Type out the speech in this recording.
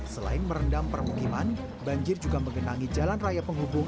selain merendam permukiman banjir juga mengenangi jalan raya penghubung